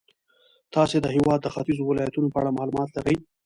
تاسې د هېواد د ختیځو ولایتونو په اړه معلومات لرئ.